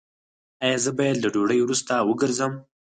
ایا زه باید له ډوډۍ وروسته وګرځم؟